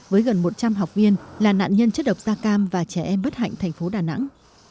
với gần một trăm linh học viên là nạn nhân chất độc da cam và trẻ em bất hạnh thành phố đà nẵng